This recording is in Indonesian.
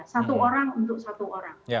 satu orang untuk satu orang